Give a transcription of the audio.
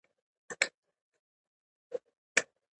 سیلاني ځایونه د افغانستان د جغرافیې یوه بېلګه ده.